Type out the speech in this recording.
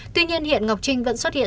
tuy nhiên hiện ngọc trinh vẫn xuất hiện